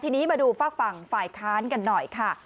ทีนี้มาดูฝากฝั่งฝ่ายค้านกันหน่อยค่ะ